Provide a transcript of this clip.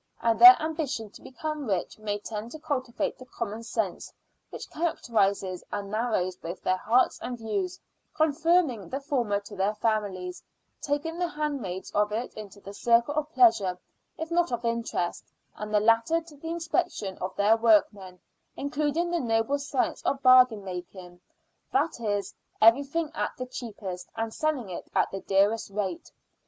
And their ambition to become rich may tend to cultivate the common sense which characterises and narrows both their hearts and views, confirming the former to their families, taking the handmaids of it into the circle of pleasure, if not of interest, and the latter to the inspection of their workmen, including the noble science of bargain making that is, getting everything at the cheapest, and selling it at the dearest rate.